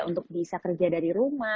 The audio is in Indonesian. untuk bisa kerja dari rumah